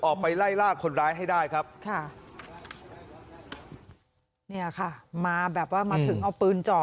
ออกไปไล่ล่าคนร้ายให้ได้ครับค่ะเนี่ยค่ะมาแบบว่ามาถึงเอาปืนจ่อ